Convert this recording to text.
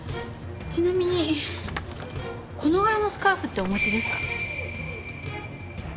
ちなみにこの柄のスカーフってお持ちですか？